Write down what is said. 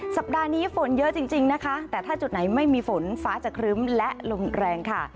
สัปดาห์นี้ฝนเยอะจริงนะคะแต่ถ้าจุดไหนไม่มีฝนฟ้าจะครึ้มและลมแรงค่ะ